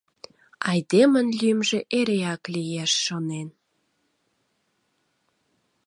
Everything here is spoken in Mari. Айдемын лӱмжӧ эреак лиеш, шонен.